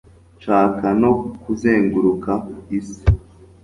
nshaka no kuzenguruka isi